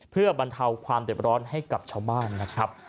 เพื่อบรรเทาความเด็ดร้อนให้กับชาวบ้านนะครับ